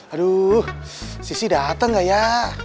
aduh sisi datang gak ya